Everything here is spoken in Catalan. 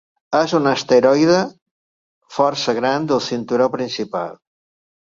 És un asteroide força gran del cinturó principal.